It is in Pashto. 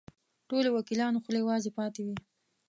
ټولو وکیلانو خولې وازې پاتې وې.